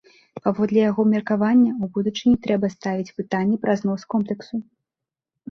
Паводле яго меркавання, у будучыні трэба ставіць пытанне пра знос комплексу.